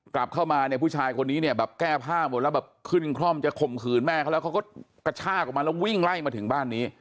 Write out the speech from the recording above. กลับเข้ามาเนี่ยผู้ชายคนนี้เนี่ยแบบแก้ผ้าหมดแล้วแบบขึ้นคล่อมจะข่มขืนแม่เขาแล้วเขาก็กระชากออกมาแล้ววิ่งไล่มาถึงบ้านนี้